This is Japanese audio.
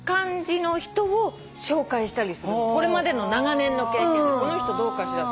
これまでの長年の経験でこの人どうかしら。